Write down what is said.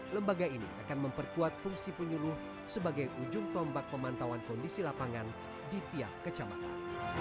lembaga ini akan memperkuat fungsi penyuluh sebagai ujung tombak pemantauan kondisi lapangan di tiap kecamatan